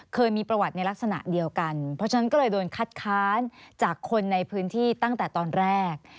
เคยมีประวัติในลักษณะเดียวกันเพราะฉะนั้นก็เลยโดนคัดค้านจากคนในพื้นที่ตั้งแต่ตอนแรก